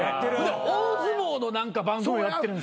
で大相撲の何か番組もやってるんですよ。